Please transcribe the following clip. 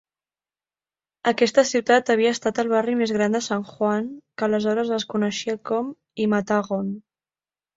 Aquesta ciutat havia estat el barri més gran de San Juan, que aleshores es coneixia com "Himatagon".